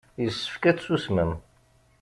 Yessefk ad tsusmem.